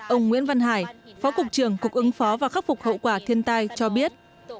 ông nguyễn văn hải phó cục trưởng cục ứng phó và khắc phục hậu quả thiên tai cho biết